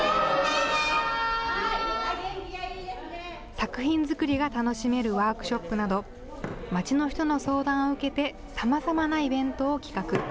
作品作りが楽しめるワークショップなどまちの人の相談を受けてさまざまなイベントを企画。